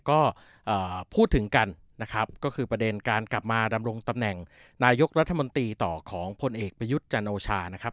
ก็พูดถึงกันนะครับก็คือประเด็นการกลับมาดำรงตำแหน่งนายกรัฐมนตรีต่อของพลเอกประยุทธ์จันโอชานะครับ